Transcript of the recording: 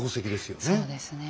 そうですねえ。